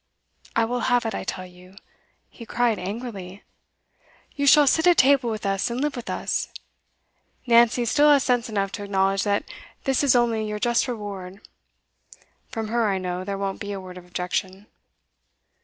I will have it, I tell you!' he cried angrily. 'You shall sit at table with us, and live with us. Nancy still has sense enough to acknowledge that this is only your just reward; from her, I know, there won't be a word of objection.